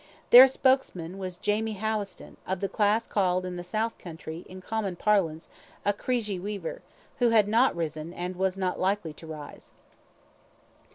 Their spokesman was Jamie Howison, of the class called in the south country, in common parlance, a CREESHEY WEAVER, who had not risen, and was not likely to rise.